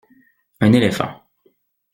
Un éléphant.